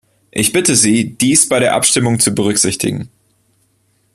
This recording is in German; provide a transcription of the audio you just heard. Ich bitte Sie, dies bei der Abstimmung zu berücksichtigen.